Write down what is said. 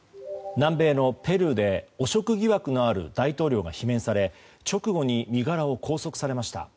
南米のペルーで汚職疑惑のある大統領が罷免され直後に身柄を拘束されました。